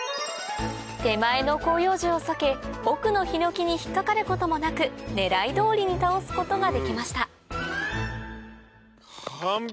手前の広葉樹を避け奥のヒノキに引っかかることもなく狙い通りに倒すことができました完璧！